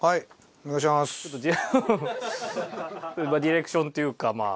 ディレクションというかまあ。